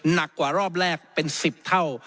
หนักกว่ารอบแรกเป็น๑๐เท่า